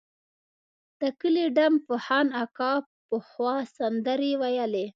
د کلي ډم فخان اکا پخوا سندرې ویلې.